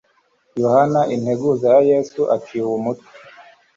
yohana integuza ya yesu aciwe umutwe